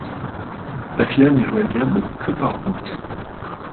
Bafia n'est joignable que par route.